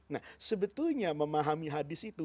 nah sebetulnya memahami hadis itu